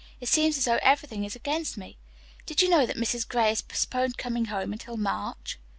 It seems as though everything is against me. Did you know that Mrs. Gray has postponed coming home until March?"